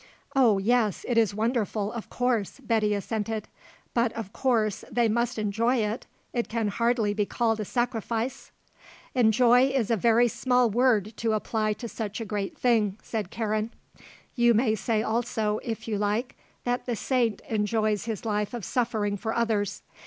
"Oh, yes, it is wonderful, of course," Betty assented. "But of course they must enjoy it; it can hardly be called a sacrifice." "Enjoy is a very small word to apply to such a great thing," said Karen. "You may say also, if you like, that the saint enjoys his life of suffering for others.